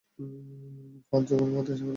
পল যে কোনো মুহূর্তে এসে পড়বে।